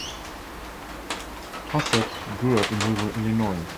Hastert grew up in rural Illinois.